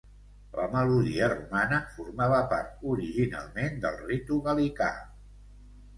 La melodia romana formava part originalment del ritu gal·licà.